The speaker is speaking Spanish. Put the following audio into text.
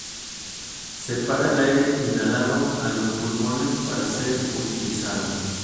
Separa el aire inhalado a los pulmones para ser utilizado.